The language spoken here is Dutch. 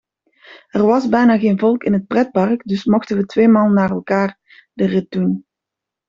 Er was bijna geen volk in het pretpark dus mochten we tweemaal na elkaar de rit doen.